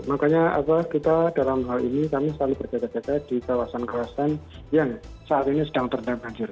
makanya kita dalam hal ini kami selalu berjaga jaga di kawasan kawasan yang saat ini sedang terendam banjir